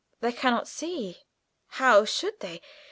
They cannot see how should they?